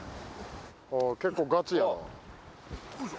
あ結構ガチやな。